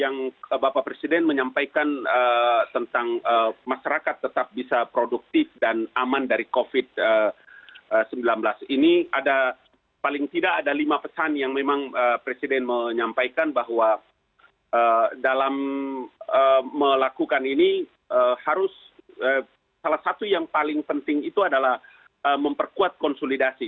yang bapak presiden menyampaikan tentang masyarakat tetap bisa produktif dan aman dari covid sembilan belas ini ada paling tidak ada lima pesan yang memang presiden menyampaikan bahwa dalam melakukan ini harus salah satu yang paling penting itu adalah memperkuat konsulidasi